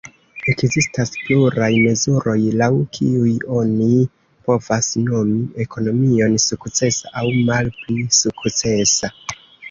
Ekzistas pluraj mezuroj, laŭ kiuj oni povas nomi ekonomion sukcesa aŭ malpli sukcesa.